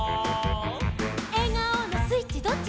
「えがおのスイッチどっち？」